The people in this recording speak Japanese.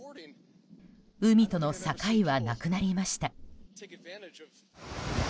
海との境はなくなりました。